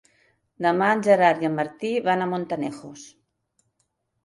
Demà en Gerard i en Martí van a Montanejos.